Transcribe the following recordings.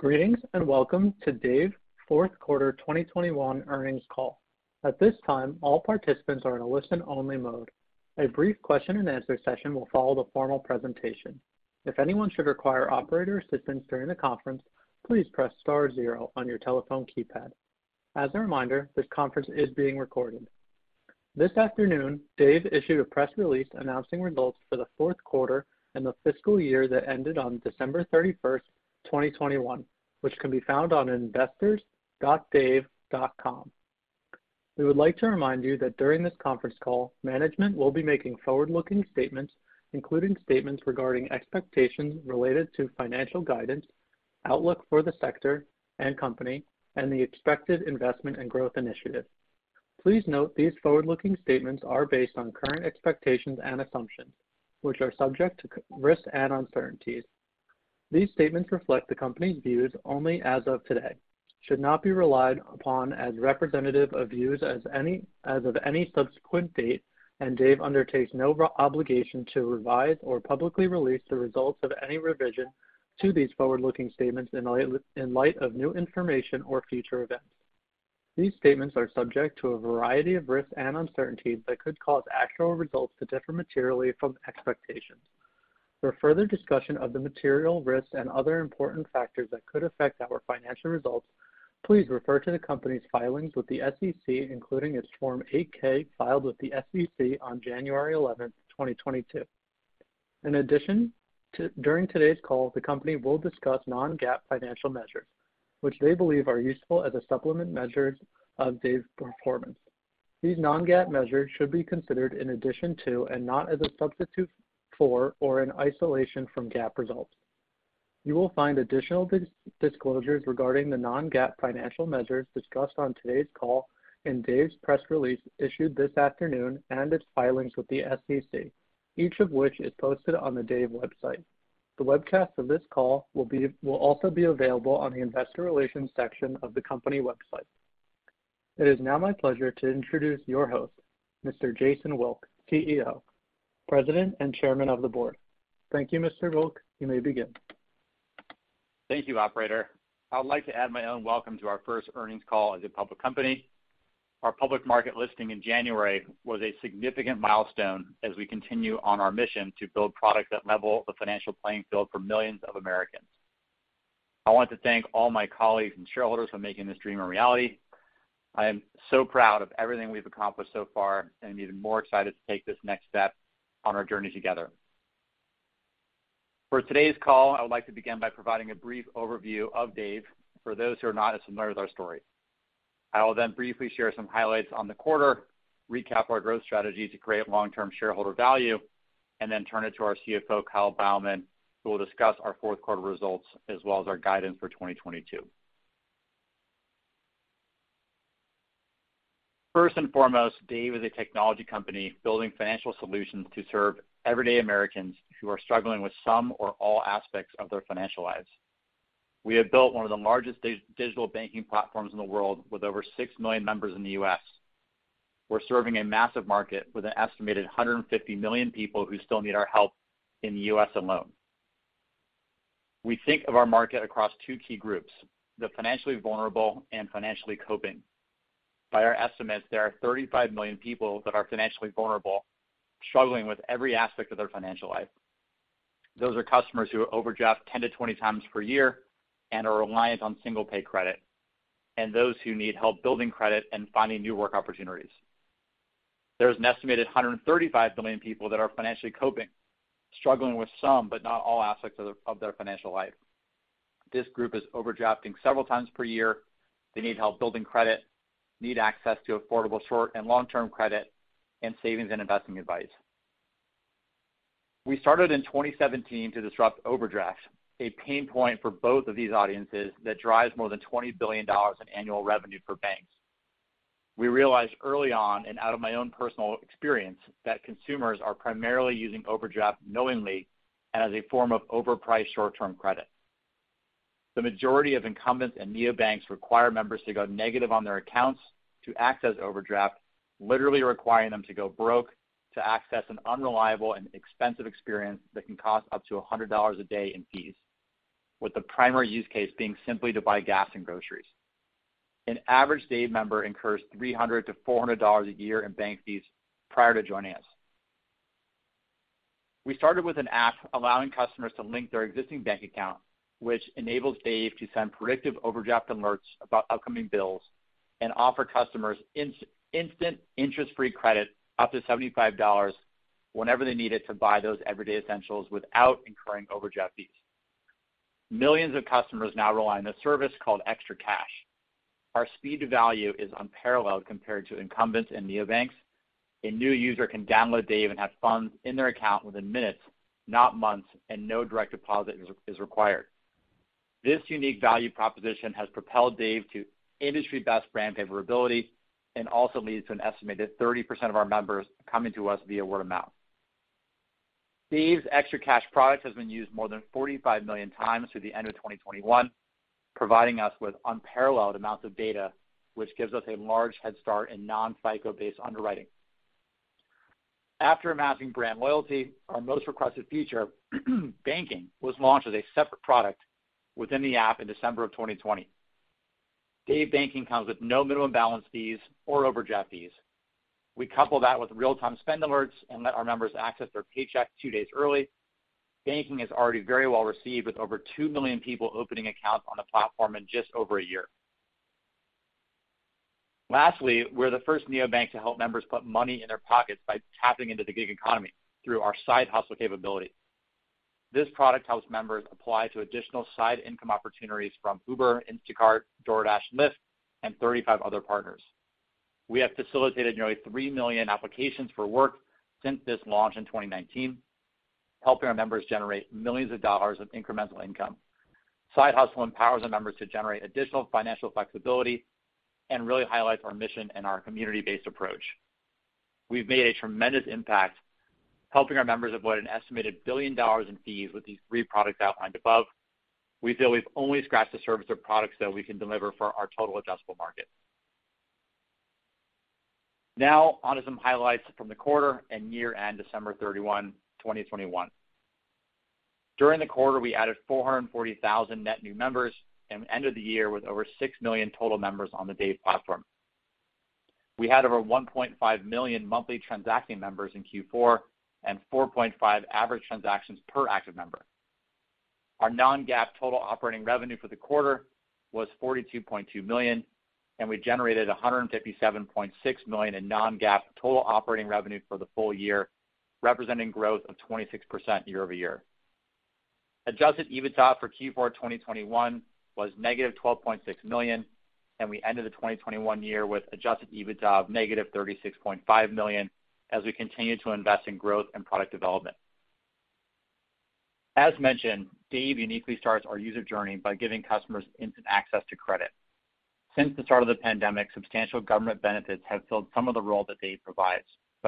Greetings, and Welcome to Dave Fourth Quarter 2021 Earnings Call. At this time, all participants are in a listen-only mode. A brief question and answer session will follow the formal presentation. If anyone should require operator assistance during the conference, please press star zero on your telephone keypad. As a reminder, this conference is being recorded. This afternoon, Dave issued a press release announcing results for the fourth quarter and the fiscal year that ended on December 31, 2021, which can be found on investors.dave.com. We would like to remind you that during this conference call, management will be making forward-looking statements, including statements regarding expectations related to financial guidance, outlook for the sector and company, and the expected investment and growth initiatives. Please note these forward-looking statements are based on current expectations and assumptions, which are subject to risks and uncertainties. These statements reflect the company's views only as of today, should not be relied upon as representative of views as of any subsequent date, and Dave undertakes no obligation to revise or publicly release the results of any revision to these forward-looking statements in light of new information or future events. These statements are subject to a variety of risks and uncertainties that could cause actual results to differ materially from expectations. For further discussion of the material risks and other important factors that could affect our financial results, please refer to the company's filings with the SEC, including its Form 8-K filed with the SEC on January 11, 2022. In addition, during today's call, the company will discuss non-GAAP financial measures, which they believe are useful as a supplement to measures of Dave's performance. These non-GAAP measures should be considered in addition to and not as a substitute for or in isolation from GAAP results. You will find additional disclosures regarding the non-GAAP financial measures discussed on today's call in Dave's press release issued this afternoon and its filings with the SEC, each of which is posted on the Dave website. The webcast of this call will also be available on the investor relations section of the company website. It is now my pleasure to introduce your host, Mr. Jason Wilk, Chief Executive Officer, President, and Chairman of the Board. Thank you, Mr. Wilk. You may begin. Thank you, operator. I would like to add my own welcome to our first earnings call as a public company. Our public market listing in January was a significant milestone as we continue on our mission to build products that level the financial playing field for millions of Americans. I want to thank all my colleagues and shareholders for making this dream a reality. I am so proud of everything we've accomplished so far, and I'm even more excited to take this next step on our journey together. For today's call, I would like to begin by providing a brief overview of Dave for those who are not as familiar with our story. I will then briefly share some highlights on the quarter, recap our growth strategy to create long-term shareholder value, and then turn it to our Chief Fianancial Officer, Kyle Beilman, who will discuss our fourth quarter results as well as our guidance for 2022. First and foremost, Dave is a technology company building financial solutions to serve everyday Americans who are struggling with some or all aspects of their financial lives. We have built one of the largest digital banking platforms in the world with over 6 million members in the U.S. We're serving a massive market with an estimated 150 million people who still need our help in the U.S. alone. We think of our market across two key groups, the financially vulnerable and financially coping. By our estimates, there are 35 million people that are financially vulnerable, struggling with every aspect of their financial life. Those are customers who overdraft 10-20 times per year and are reliant on single-pay credit. Those who need help building credit and finding new work opportunities. There's an estimated 135 million people that are financially coping, struggling with some but not all aspects of their financial life. This group is overdrafting several times per year. They need help building credit, need access to affordable short and long-term credit, and savings and investing advice. We started in 2017 to disrupt overdraft, a pain point for both of these audiences that drives more than $20 billion in annual revenue for banks. We realized early on, and out of my own personal experience, that consumers are primarily using overdraft knowingly as a form of overpriced short-term credit. The majority of incumbents and neobanks require members to go negative on their accounts to access overdraft, literally requiring them to go broke to access an unreliable and expensive experience that can cost up to $100 a day in fees, with the primary use case being simply to buy gas and groceries. An average Dave member incurs $300-$400 a year in bank fees prior to joining us. We started with an app allowing customers to link their existing bank account, which enables Dave to send predictive overdraft alerts about upcoming bills and offer customers instant interest-free credit up to $75 whenever they need it to buy those everyday essentials without incurring overdraft fees. Millions of customers now rely on a service called ExtraCash. Our speed to value is unparalleled compared to incumbents and neobanks. A new user can download Dave and have funds in their account within minutes, not months, and no direct deposit is required. This unique value proposition has propelled Dave to industry-best brand favorability and also leads to an estimated 30% of our members coming to us via word of mouth. Dave's ExtraCash product has been used more than 45 million times through the end of 2021, providing us with unparalleled amounts of data, which gives us a large headstart in non-FICO-based underwriting. After amassing brand loyalty, our most requested feature, banking, was launched as a separate product within the app in December of 2020. Dave Banking comes with no minimum balance fees or overdraft fees. We couple that with real-time spend alerts and let our members access their paycheck two days early. Banking is already very well received, with over 2 million people opening accounts on the platform in just over a year. Lastly, we're the first neobank to help members put money in their pockets by tapping into the gig economy through our Side Hustle capability. This product helps members apply to additional side income opportunities from Uber, Instacart, DoorDash, Lyft, and 35 other partners. We have facilitated nearly 3 million applications for work since this launch in 2019, helping our members generate millions of dollars of incremental income. Side Hustle empowers our members to generate additional financial flexibility and really highlights our mission and our community-based approach. We've made a tremendous impact helping our members avoid an estimated $1 billion in fees with these three products outlined above. We feel we've only scratched the surface of products that we can deliver for our total addressable market. Now on to some highlights from the quarter and year-end December 31, 2021. During the quarter, we added 440,000 net new members and ended the year with over 6 million total members on the Dave platform. We had over 1.5 million monthly transacting members in Q4, and 4.5 average transactions per active member. Our non-GAAP total operating revenue for the quarter was $42.2 million, and we generated $157.6 million in non-GAAP total operating revenue for the full year, representing growth of 26% year-over-year. Adjusted EBITDA for Q4 2021 was -$12.6 million, and we ended the 2021 year with adjusted EBITDA of -$36.5 million as we continue to invest in growth and product development. As mentioned, Dave uniquely starts our user journey by giving customers instant access to credit. Since the start of the pandemic, substantial government benefits have filled some of the role that Dave provides.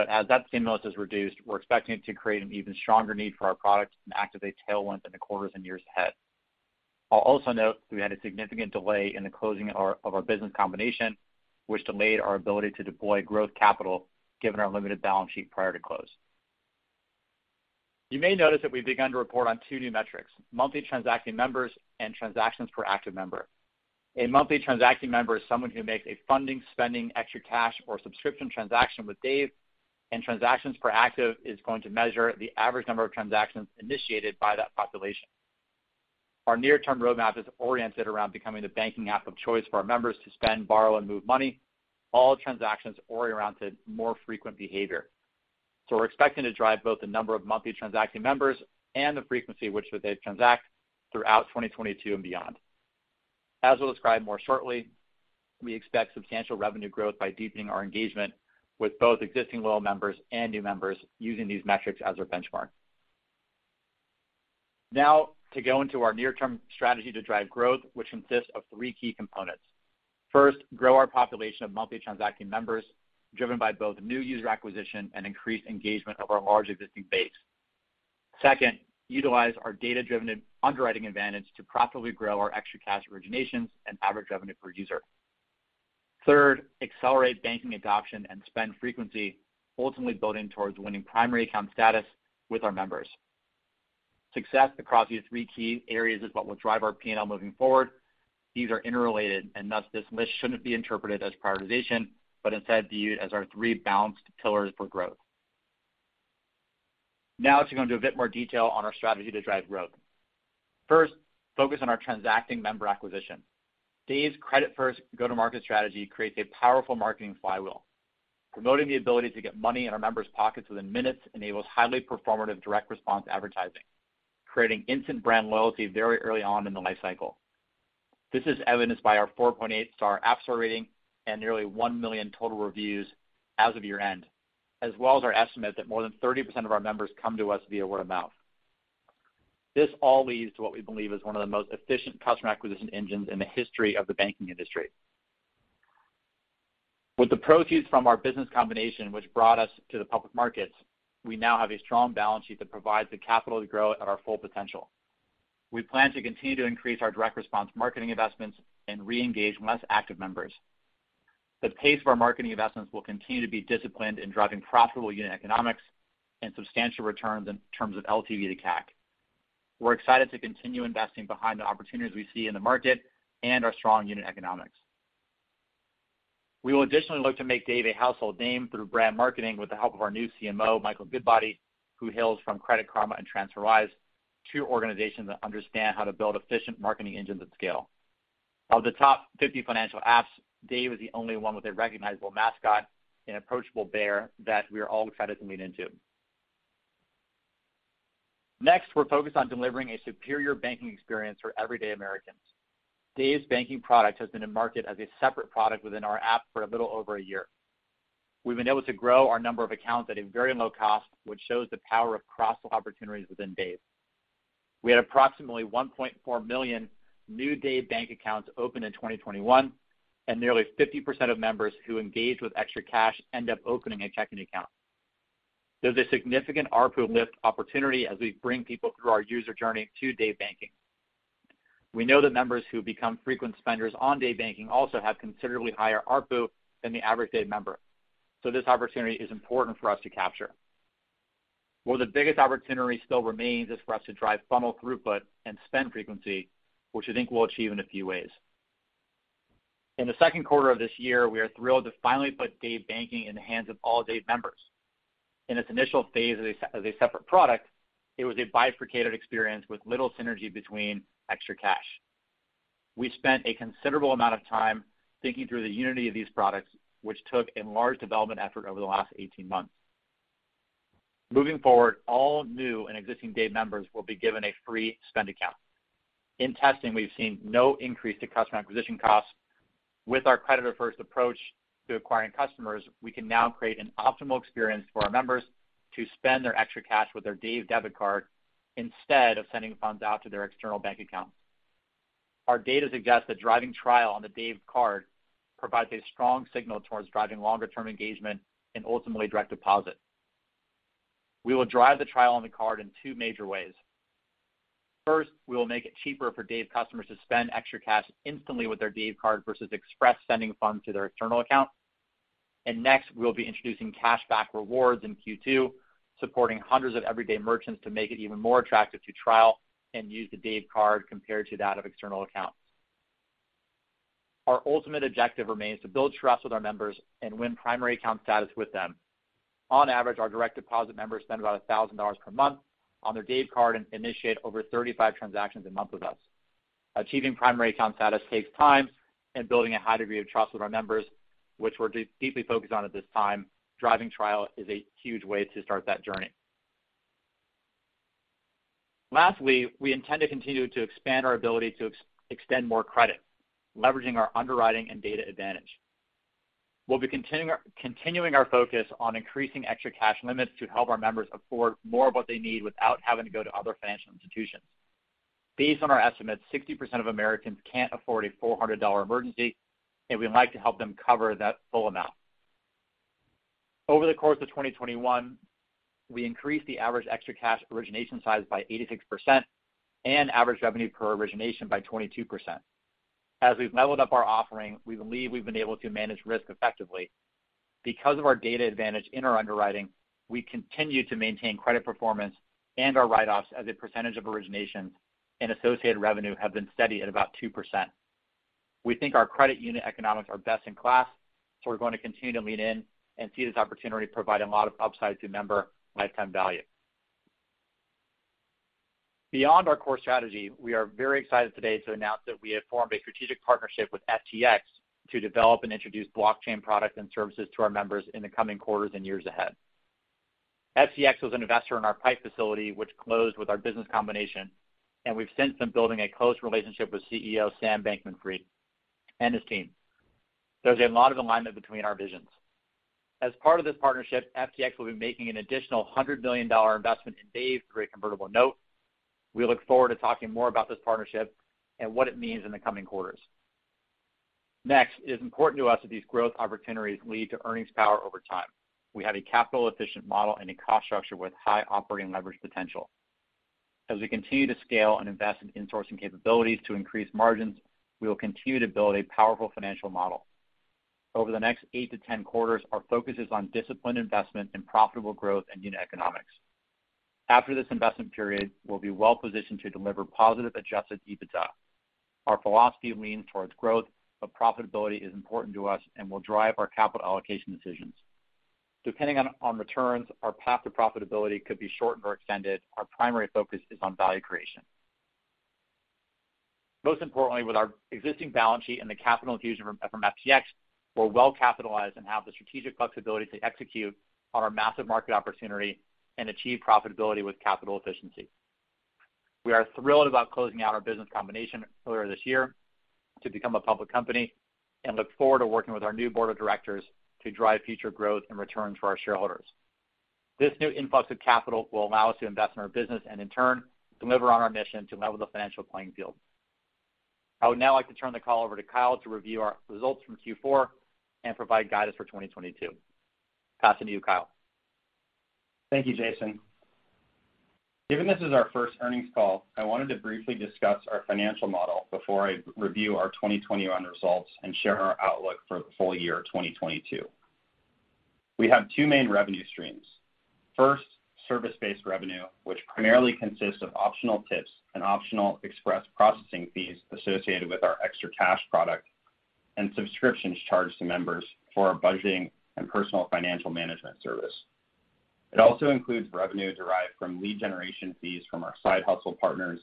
As that stimulus is reduced, we're expecting it to create an even stronger need for our products and activate tailwinds in the quarters and years ahead. I'll also note we had a significant delay in the closing of our business combination, which delayed our ability to deploy growth capital given our limited balance sheet prior to close. You may notice that we've begun to report on two new metrics, monthly transacting members and transactions per active member. A monthly transacting member is someone who makes a funding, spending, ExtraCash, or subscription transaction with Dave, and transactions per active is going to measure the average number of transactions initiated by that population. Our near-term roadmap is oriented around becoming the banking app of choice for our members to spend, borrow, and move money, all transactions oriented more frequent behavior. We're expecting to drive both the number of monthly transacting members and the frequency with which they transact throughout 2022 and beyond. As we'll describe more shortly, we expect substantial revenue growth by deepening our engagement with both existing loyal members and new members using these metrics as our benchmark. Now, to go into our near-term strategy to drive growth, which consists of three key components. First, grow our population of monthly transacting members, driven by both new user acquisition and increased engagement of our large existing base. Second, utilize our data-driven underwriting advantage to profitably grow our ExtraCash originations and average revenue per user. Third, accelerate banking adoption and spend frequency, ultimately building towards winning primary account status with our members. Success across these three key areas is what will drive our P&L moving forward. These are interrelated, and thus this list shouldn't be interpreted as prioritization, but instead viewed as our three balanced pillars for growth. Now to go into a bit more detail on our strategy to drive growth. First, focus on our transacting member acquisition. Dave's credit first go-to-market strategy creates a powerful marketing flywheel. Promoting the ability to get money in our members' pockets within minutes enables highly performative direct response advertising, creating instant brand loyalty very early on in the life cycle. This is evidenced by our four point eight star App Store rating and nearly 1 million total reviews as of year-end, as well as our estimate that more than 30% of our members come to us via word of mouth. This all leads to what we believe is one of the most efficient customer acquisition engines in the history of the banking industry. With the proceeds from our business combination, which brought us to the public markets, we now have a strong balance sheet that provides the capital to grow at our full potential. We plan to continue to increase our direct response marketing investments and reengage less active members. The pace of our marketing investments will continue to be disciplined in driving profitable unit economics and substantial returns in terms of LTV to CAC. We're excited to continue investing behind the opportunities we see in the market and our strong unit economics. We will additionally look to make Dave a household name through brand marketing with the help of our new Chief Marketing Officer, Michael Goodbody, who hails from Credit Karma and TransferWise, two organizations that understand how to build efficient marketing engines at scale. Of the top 50 financial apps, Dave is the only one with a recognizable mascot, an approachable bear that we are all excited to lean into. Next, we're focused on delivering a superior banking experience for everyday Americans. Dave's banking product has been in market as a separate product within our app for a little over a year. We've been able to grow our number of accounts at a very low cost, which shows the power of cross-sell opportunities within Dave. We had approximately 1.4 million new Dave Banking accounts open in 2021, and nearly 50% of members who engage with ExtraCash end up opening a checking account. There's a significant ARPU lift opportunity as we bring people through our user journey to Dave Banking. We know that members who become frequent spenders on Dave Banking also have considerably higher ARPU than the average Dave member. This opportunity is important for us to capture. Where the biggest opportunity still remains is for us to drive funnel throughput and spend frequency, which I think we'll achieve in a few ways. In the second quarter of this year, we are thrilled to finally put Dave Banking in the hands of all Dave members. In its initial phase as a separate product, it was a bifurcated experience with little synergy between ExtraCash. We spent a considerable amount of time thinking through the unity of these products, which took a large development effort over the last 18 months. Moving forward, all new and existing Dave members will be given a free spend account. In testing, we've seen no increase to customer acquisition costs. With our creditor-first approach to acquiring customers, we can now create an optimal experience for our members to spend their extra cash with their Dave Debit Card instead of sending funds out to their external bank accounts. Our data suggests that driving trial on the Dave Card provides a strong signal towards driving longer-term engagement and ultimately direct deposit. We will drive the trial on the card in two major ways. First, we will make it cheaper for Dave customers to spend extra cash instantly with their Dave Card versus express sending funds to their external account. Next, we'll be introducing cashback rewards in Q2, supporting hundreds of everyday merchants to make it even more attractive to trial and use the Dave card compared to that of external accounts. Our ultimate objective remains to build trust with our members and win primary account status with them. On average, our direct deposit members spend about $1,000 per month on their Dave card and initiate over 35 transactions a month with us. Achieving primary account status takes time and building a high degree of trust with our members, which we're deeply focused on at this time. Driving trial is a huge way to start that journey. Lastly, we intend to continue to expand our ability to extend more credit, leveraging our underwriting and data advantage. We'll be continuing our focus on increasing ExtraCash limits to help our members afford more of what they need without having to go to other financial institutions. Based on our estimates, 60% of Americans can't afford a $400 emergency, and we'd like to help them cover that full amount. Over the course of 2021, we increased the average ExtraCash origination size by 86% and average revenue per origination by 22%. As we've leveled up our offering, we believe we've been able to manage risk effectively. Because of our data advantage in our underwriting, we continue to maintain credit performance and our write-offs as a percentage of origination and associated revenue have been steady at about 2%. We think our credit unit economics are best in class, so we're going to continue to lean in and see this opportunity provide a lot of upside to member lifetime value. Beyond our core strategy, we are very excited today to announce that we have formed a strategic partnership with FTX to develop and introduce blockchain products and services to our members in the coming quarters and years ahead. FTX was an investor in our pipe facility, which closed with our business combination, and we've since been building a close relationship with Chief Executive Officer, Sam Bankman-Fried and his team. There's a lot of alignment between our visions. As part of this partnership, FTX will be making an additional $100 million investment in Dave through a convertible note. We look forward to talking more about this partnership and what it means in the coming quarters. Next, it is important to us that these growth opportunities lead to earnings power over time. We have a capital-efficient model and a cost structure with high operating leverage potential. As we continue to scale and invest in insourcing capabilities to increase margins, we will continue to build a powerful financial model. Over the next eight to 10 quarters, our focus is on disciplined investment and profitable growth and unit economics. After this investment period, we'll be well positioned to deliver positive adjusted EBITDA. Our philosophy leans towards growth, but profitability is important to us and will drive our capital allocation decisions. Depending on returns, our path to profitability could be shortened or extended. Our primary focus is on value creation. Most importantly, with our existing balance sheet and the capital infusion from FTX, we're well capitalized and have the strategic flexibility to execute on our massive market opportunity and achieve profitability with capital efficiency. We are thrilled about closing out our business combination earlier this year to become a public company and look forward to working with our new board of directors to drive future growth and returns for our shareholders. This new influx of capital will allow us to invest in our business and in turn, deliver on our mission to level the financial playing field. I would now like to turn the call over to Kyle to review our results from Q4 and provide guidance for 2022. Passing to you, Kyle. Thank you, Jason. Given this is our first earnings call, I wanted to briefly discuss our financial model before I review our 2021 results and share our outlook for the full year 2022. We have two main revenue streams. First, service-based revenue, which primarily consists of optional tips and optional express processing fees associated with our ExtraCash product and subscriptions charged to members for our budgeting and personal financial management service. It also includes revenue derived from lead generation fees from our Side Hustle partners,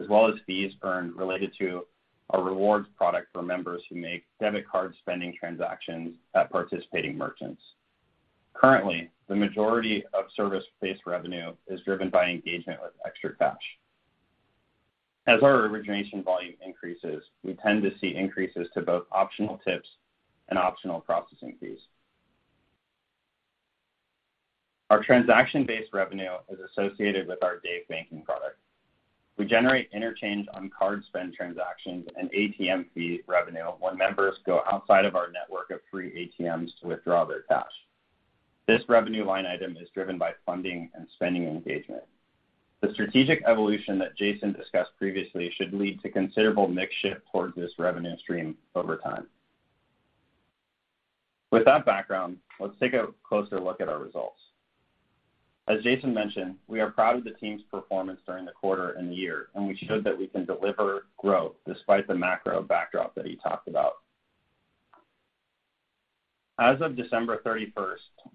as well as fees earned related to our rewards product for members who make debit card spending transactions at participating merchants. Currently, the majority of service-based revenue is driven by engagement with ExtraCash. As our origination volume increases, we tend to see increases to both optional tips and optional processing fees. Our transaction-based revenue is associated with our Dave Banking product. We generate interchange on card spend transactions and ATM fee revenue when members go outside of our network of free ATMs to withdraw their cash. This revenue line item is driven by funding and spending engagement. The strategic evolution that Jason discussed previously should lead to considerable mix shift towards this revenue stream over time. With that background, let's take a closer look at our results. As Jason mentioned, we are proud of the team's performance during the quarter and the year, and we showed that we can deliver growth despite the macro backdrop that he talked about. As of December 31,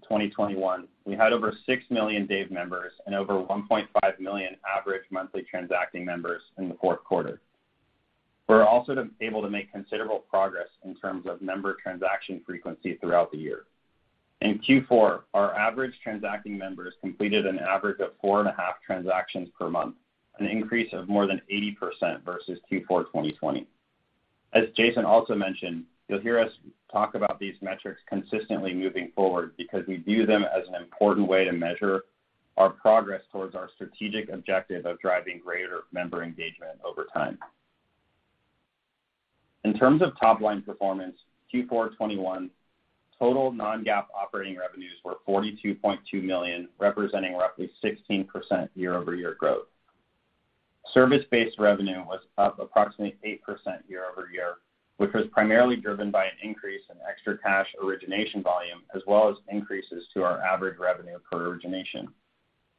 2021, we had over 6 million Dave members and over 1.5 million average monthly transacting members in the fourth quarter. We're also able to make considerable progress in terms of member transaction frequency throughout the year. In Q4, our average transacting members completed an average of four and a half transactions per month, an increase of more than 80% versus Q4 2020. As Jason also mentioned, you'll hear us talk about these metrics consistently moving forward because we view them as an important way to measure our progress towards our strategic objective of driving greater member engagement over time. In terms of top-line performance, Q4 2021 total non-GAAP operating revenues were $42.2 million, representing roughly 16% year-over-year growth. Service-based revenue was up approximately 8% year-over-year, which was primarily driven by an increase in ExtraCash origination volume as well as increases to our average revenue per origination.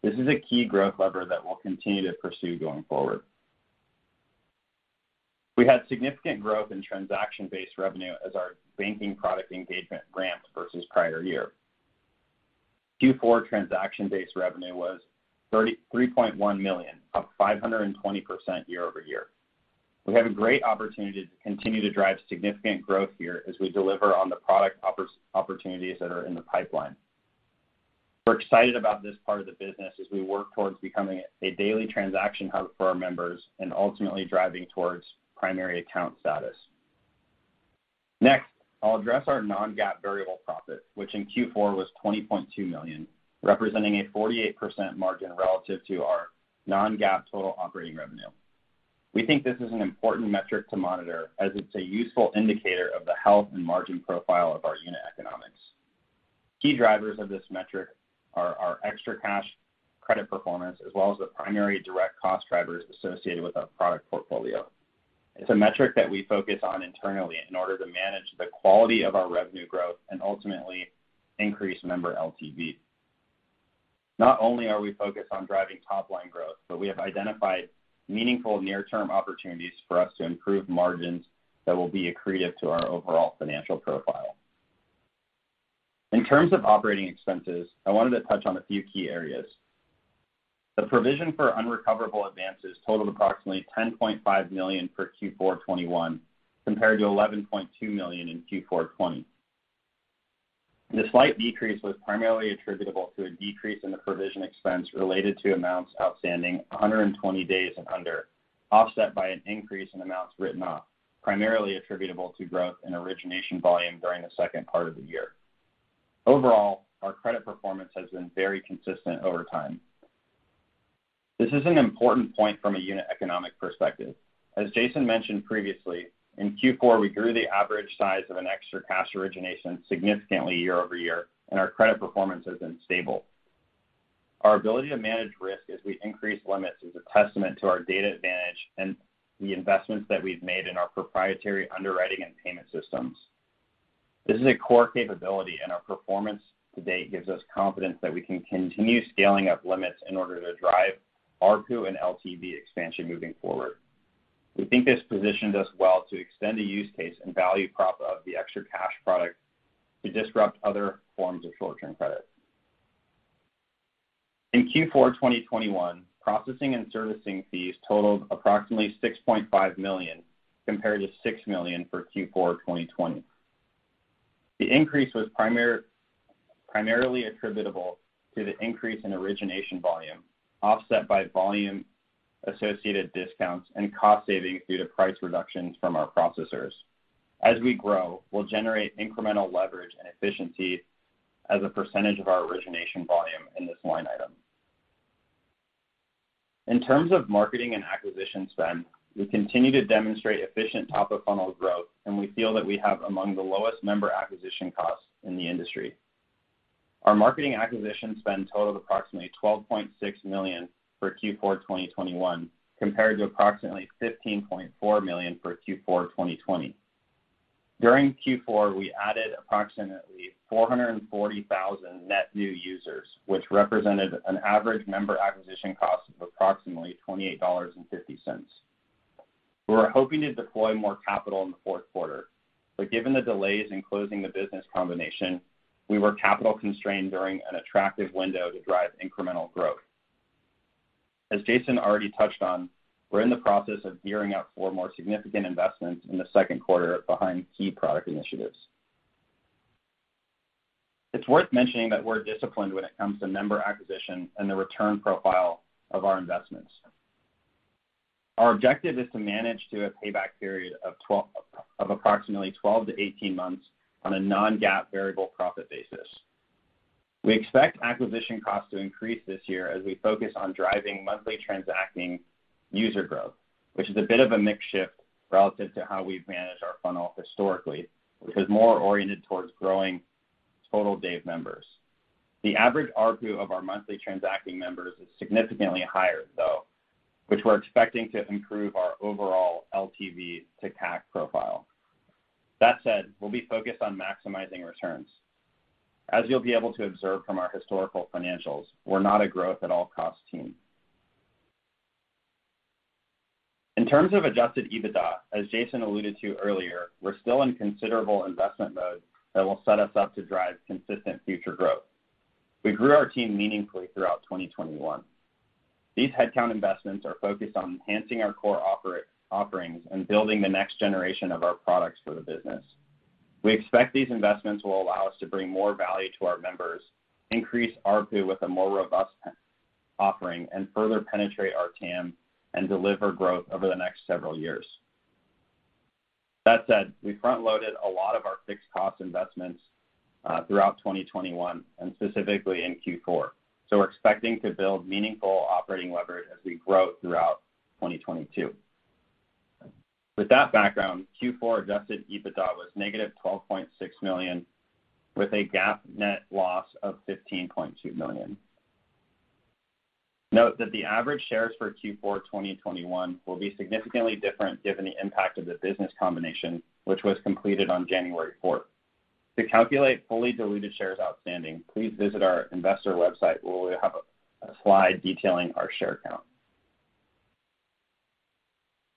This is a key growth lever that we'll continue to pursue going forward. We had significant growth in transaction-based revenue as our banking product engagement ramped versus prior year. Q4 transaction-based revenue was $33.1 million, up 520% year-over-year. We have a great opportunity to continue to drive significant growth here as we deliver on the product opportunities that are in the pipeline. We're excited about this part of the business as we work towards becoming a daily transaction hub for our members and ultimately driving towards primary account status. Next, I'll address our non-GAAP variable profit, which in Q4 was $20.2 million, representing a 48% margin relative to our non-GAAP total operating revenue. We think this is an important metric to monitor as it's a useful indicator of the health and margin profile of our unit economics. Key drivers of this metric are our ExtraCash credit performance as well as the primary direct cost drivers associated with our product portfolio. It's a metric that we focus on internally in order to manage the quality of our revenue growth and ultimately increase member LTV. Not only are we focused on driving top-line growth, but we have identified meaningful near-term opportunities for us to improve margins that will be accretive to our overall financial profile. In terms of operating expenses, I wanted to touch on a few key areas. The provision for unrecoverable advances totaled approximately $10.5 million for Q4 2021 compared to $11.2 million in Q4 2020. The slight decrease was primarily attributable to a decrease in the provision expense related to amounts outstanding 120 days and under, offset by an increase in amounts written off, primarily attributable to growth in origination volume during the second part of the year. Overall, our credit performance has been very consistent over time. This is an important point from a unit economic perspective. As Jason mentioned previously, in Q4 we grew the average size of an ExtraCash origination significantly year-over-year, and our credit performance has been stable. Our ability to manage risk as we increase limits is a testament to our data advantage and the investments that we've made in our proprietary underwriting and payment systems. This is a core capability, and our performance to date gives us confidence that we can continue scaling up limits in order to drive ARPU and LTV expansion moving forward. We think this positions us well to extend the use case and value prop of the ExtraCash product to disrupt other forms of short-term credit. In Q4 2021, processing and servicing fees totaled approximately $6.5 million compared to $6 million for Q4 2020. The increase was primarily attributable to the increase in origination volume offset by volume-associated discounts and cost savings due to price reductions from our processors. As we grow, we'll generate incremental leverage and efficiency as a percentage of our origination volume in this line item. In terms of marketing and acquisition spend, we continue to demonstrate efficient top-of-funnel growth, and we feel that we have among the lowest member acquisition costs in the industry. Our marketing acquisition spend totaled approximately $12.6 million for Q4 2021 compared to approximately $15.4 million for Q4 2020. During Q4, we added approximately 440,000 net new users, which represented an average member acquisition cost of approximately $28.50. We were hoping to deploy more capital in the fourth quarter. Given the delays in closing the business combination, we were capital constrained during an attractive window to drive incremental growth. As Jason already touched on, we're in the process of gearing up for more significant investments in the second quarter behind key product initiatives. It's worth mentioning that we're disciplined when it comes to member acquisition and the return profile of our investments. Our objective is to manage to a payback period of approximately 12-18 months on a non-GAAP variable profit basis. We expect acquisition costs to increase this year as we focus on driving monthly transacting user growth, which is a bit of a mix shift relative to how we've managed our funnel historically, which is more oriented towards growing total Dave members. The average ARPU of our monthly transacting members is significantly higher, though, which we're expecting to improve our overall LTV to CAC profile. That said, we'll be focused on maximizing returns. As you'll be able to observe from our historical financials, we're not a growth at all cost team. In terms of adjusted EBITDA, as Jason alluded to earlier, we're still in considerable investment mode that will set us up to drive consistent future growth. We grew our team meaningfully throughout 2021. These headcount investments are focused on enhancing our core offerings and building the next generation of our products for the business. We expect these investments will allow us to bring more value to our members, increase ARPU with a more robust offering, and further penetrate our TAM and deliver growth over the next several years. That said, we front-loaded a lot of our fixed cost investments throughout 2021, and specifically in Q4. We're expecting to build meaningful operating leverage as we grow throughout 2022. With that background, Q4 adjusted EBITDA was -$12.6 million, with a GAAP net loss of $15.2 million. Note that the average shares for Q4 2021 will be significantly different given the impact of the business combination, which was completed on January fourth. To calculate fully diluted shares outstanding, please visit our investor website, where we have a slide detailing our share count.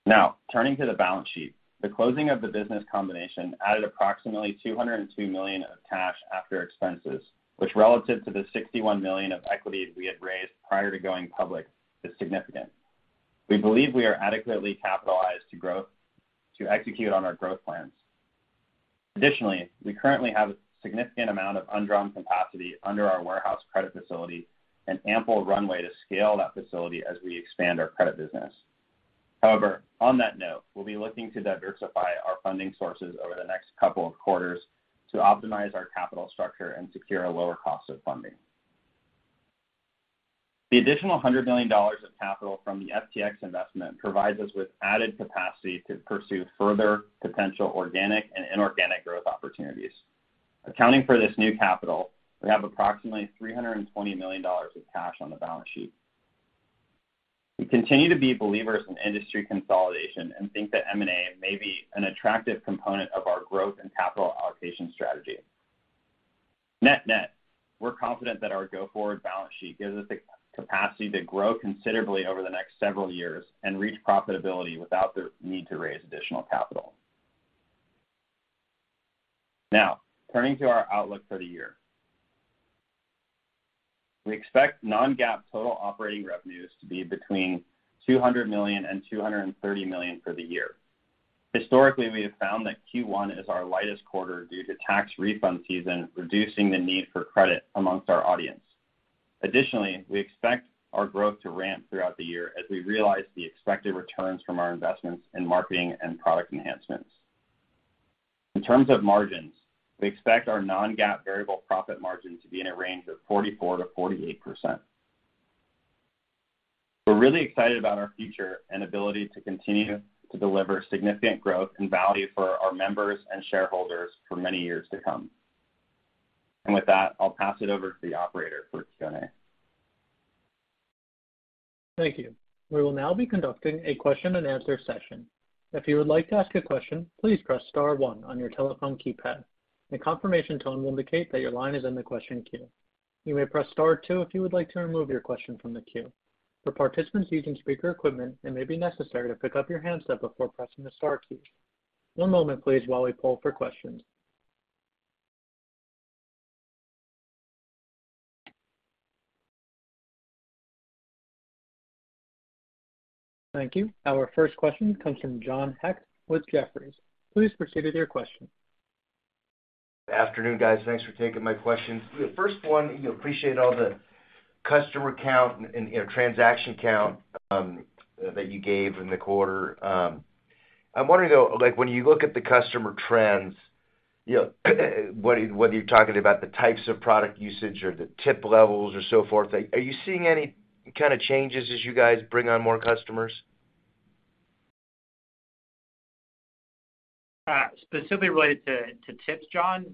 Now, turning to the balance sheet. The closing of the business combination added approximately $202 million of cash after expenses, which relative to the $61 million of equity we had raised prior to going public, is significant. We believe we are adequately capitalized to execute on our growth plans. Additionally, we currently have a significant amount of undrawn capacity under our warehouse credit facility, and ample runway to scale that facility as we expand our credit business. However, on that note, we'll be looking to diversify our funding sources over the next couple of quarters to optimize our capital structure and secure a lower cost of funding. The additional $100 million of capital from the FTX investment provides us with added capacity to pursue further potential organic and inorganic growth opportunities. Accounting for this new capital, we have approximately $320 million of cash on the balance sheet. We continue to be believers in industry consolidation and think that M&A may be an attractive component of our growth and capital allocation strategy. Net-net, we're confident that our go-forward balance sheet gives us the capacity to grow considerably over the next several years and reach profitability without the need to raise additional capital. Now, turning to our outlook for the year. We expect non-GAAP total operating revenues to be between $200 million and $230 million for the year. Historically, we have found that Q1 is our lightest quarter due to tax refund season, reducing the need for credit amongst our audience. Additionally, we expect our growth to ramp throughout the year as we realize the expected returns from our investments in marketing and product enhancements. In terms of margins, we expect our non-GAAP variable profit margin to be in a range of 44%-48%. We're really excited about our future and ability to continue to deliver significant growth and value for our members and shareholders for many years to come. With that, I'll pass it over to the operator for Q&A. Thank you. We will now be conducting a question-and-answer session. If you would like to ask a question, please press star one on your telephone keypad. A confirmation tone will indicate that your line is in the question queue. You may press star two if you would like to remove your question from the queue. For participants using speaker equipment, it may be necessary to pick up your handset before pressing the star key. One moment, please, while we poll for questions. Thank you. Our first question comes from John Hecht with Jefferies. Please proceed with your question. Afternoon, guys. Thanks for taking my questions. The first one, you'll appreciate all the customer count and, you know, transaction count that you gave in the quarter. I'm wondering, though, like when you look at the customer trends, you know, whether you're talking about the types of product usage or the tip levels or so forth, are you seeing any kinda changes as you guys bring on more customers? Specifically related to tips, John.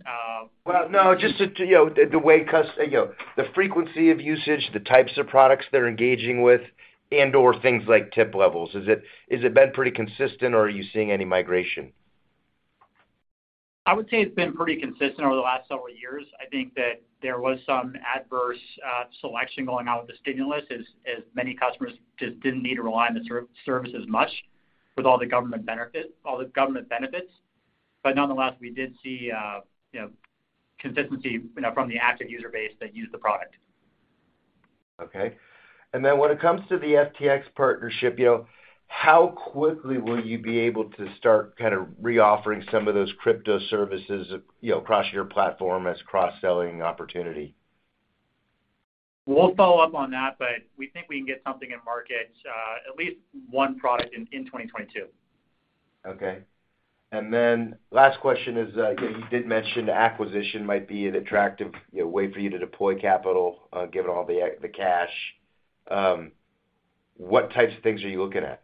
Well, no, just to you know, the way you know, the frequency of usage, the types of products they're engaging with, and/or things like tip levels. Has it been pretty consistent, or are you seeing any migration? I would say it's been pretty consistent over the last several years. I think that there was some adverse selection going out with the stimulus as many customers just didn't need to rely on the service as much with all the government benefits. Nonetheless, we did see, you know, consistency you know, from the active user base that used the product. Okay. Then when it comes to the FTX partnership, you know, how quickly will you be able to start kinda reoffering some of those crypto services, you know, across your platform as cross-selling opportunity? We'll follow up on that, but we think we can get something in market, at least one product in 2022. Okay. Last question is, you know, you did mention the acquisition might be an attractive, you know, way for you to deploy capital, given all the cash. What types of things are you looking at?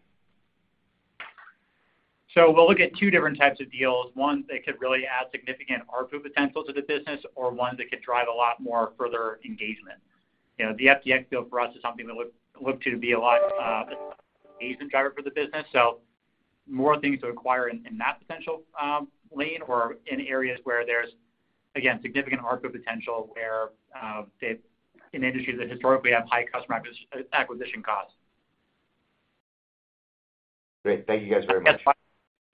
We'll look at two different types of deals. One, they could really add significant ARPU potential to the business, or one that could drive a lot more further engagement. The FTX deal for us is something we look to be a lot engagement driver for the business. More things to acquire in that potential lane or in areas where there's again significant ARPU potential where in industries that historically have high customer acquisition costs. Great. Thank you guys very much.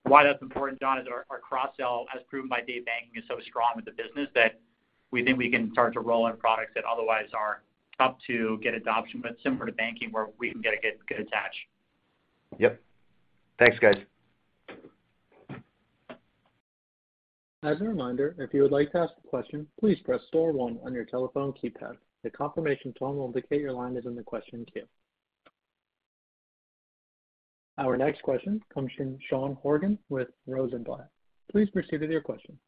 Why that's important, John, is our cross-sell as proven by Dave Banking is so strong with the business that we think we can start to roll out products that otherwise are tough to get adoption, but similar to banking where we can get a good attach. Yep. Thanks, guys. As a reminder, if you would like to ask a question, please press star one on your telephone keypad. The confirmation tone will indicate your line is in the question queue. Our next question comes from Sean Horgan with Rosenblatt. Please proceed with your question.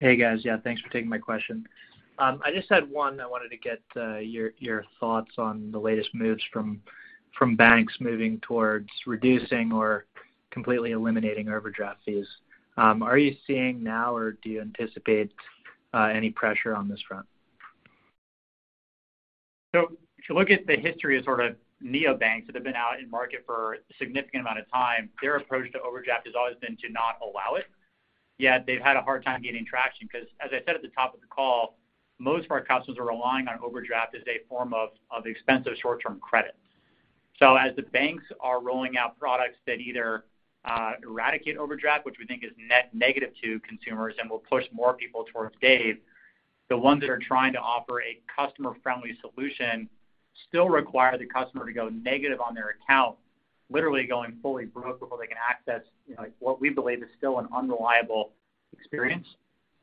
Hey, guys. Yeah, thanks for taking my question. I just had one. I wanted to get your thoughts on the latest moves from banks moving towards reducing or completely eliminating overdraft fees. Are you seeing now or do you anticipate any pressure on this front? If you look at the history of sort of neobanks that have been out in market for a significant amount of time, their approach to overdraft has always been to not allow it, yet they've had a hard time gaining traction because as I said at the top of the call, most of our customers are relying on overdraft as a form of expensive short-term credit. As the banks are rolling out products that either eradicate overdraft, which we think is net negative to consumers and will push more people towards Dave, the ones that are trying to offer a customer-friendly solution still require the customer to go negative on their account, literally going fully broke before they can access, you know, what we believe is still an unreliable experience.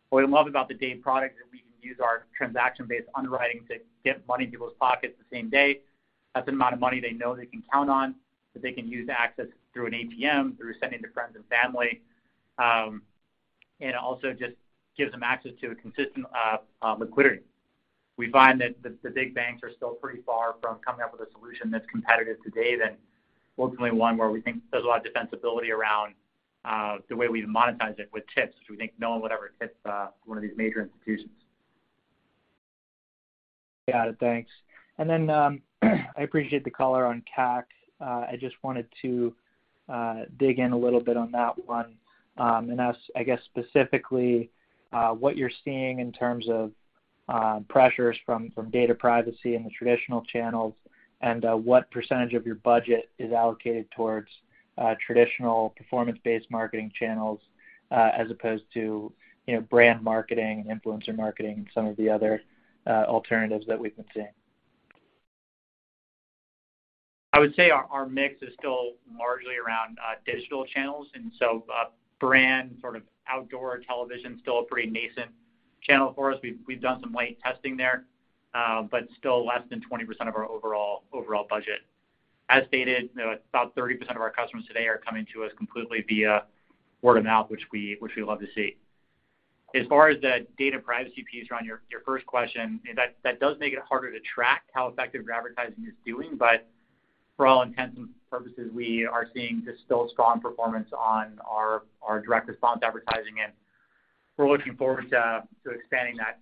What we love about the Dave product is we can use our transaction-based underwriting to get money in people's pockets the same day. That's an amount of money they know they can count on, that they can use access through an ATM, through sending to friends and family, and also just gives them access to a consistent liquidity. We find that the big banks are still pretty far from coming up with a solution that's competitive to Dave and ultimately one where we think there's a lot of defensibility around the way we monetize it with tips, which we think no one would ever tip one of these major institutions. Got it. Thanks. Then, I appreciate the color on CAC. I just wanted to dig in a little bit on that one, and ask, I guess specifically, what you're seeing in terms of pressures from data privacy in the traditional channels and what percentage of your budget is allocated towards traditional performance-based marketing channels, as opposed to, you know, brand marketing, influencer marketing, and some of the other alternatives that we've been seeing. I would say our mix is still largely around digital channels, and so brand sort of outdoor television is still a pretty nascent channel for us. We've done some light testing there, but still less than 20% of our overall budget. As stated, you know, about 30% of our customers today are coming to us completely via word of mouth, which we love to see. As far as the data privacy piece around your first question, that does make it harder to track how effective your advertising is doing. For all intents and purposes, we are seeing just still strong performance on our direct response advertising, and we're looking forward to expanding that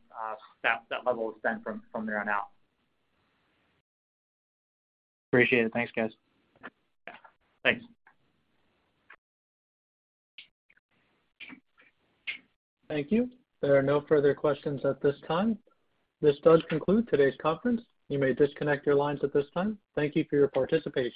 level of spend from there on out. Appreciate it. Thanks, guys. Yeah. Thanks. Thank you. There are no further questions at this time. This does conclude today's conference. You may disconnect your lines at this time. Thank you for your participation.